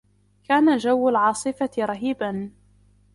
كان جو العاصفة رهيبا.